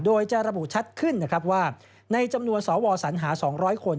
โดยจะระบุชัดขึ้นนะครับว่าในจำนวนสวสัญหา๒๐๐คน